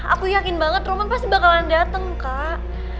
aku yakin banget roman pasti bakalan datang kak